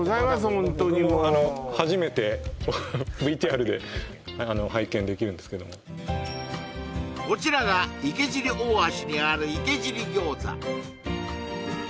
ホントにもう僕も初めてＶＴＲで拝見できるんですけどもこちらが池尻大橋にある池尻餃子．